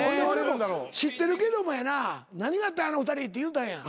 知ってるけどもやな何があったんやあの２人って言うたんや。